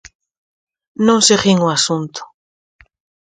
Non seguín o asunto.